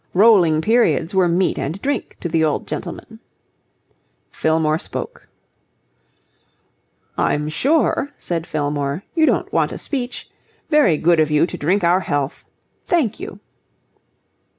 Rolling periods were meat and drink to the old gentleman. Fillmore spoke. "I'm sure," said Fillmore, "you don't want a speech... Very good of you to drink our health. Thank you."